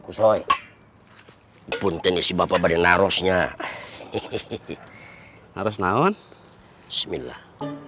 kusoi punten isi bapak badan arusnya hehehe harus naon bismillah